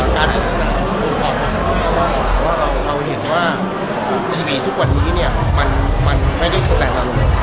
การพัฒนาผมออกมาข้างหน้าว่าเราเห็นว่าทีวีทุกวันนี้เนี่ยมันไม่ได้สแตนอารมณ์